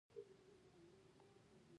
هر افغان په دې کار کې مهم دی.